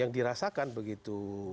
yang dirasakan begitu